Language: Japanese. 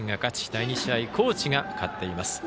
第２試合、高知が勝っています。